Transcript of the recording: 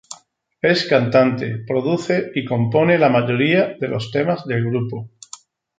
Es cantante, produce y compone la mayoría de los temas del grupo.